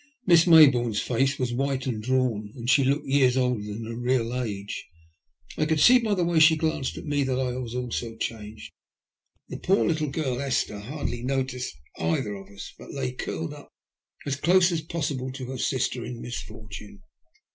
Miss Mayboume's face was white and drawn, and she looked years older than her real age. I could see by the way she glanced at me that I also was changed. The poor little girl Esther hardly noticed either of us, but lay curled up as close as possible to her sister in misfortune.